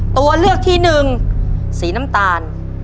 ตัวเลือกที่หนึ่งสีน้ำตาล